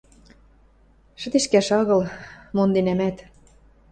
Шӹдешкӓш агыл, монденӓмӓт...